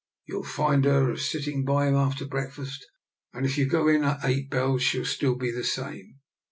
You'll find her a sitting by him after breakfast, and if you go in at eight bells she'll be still the same.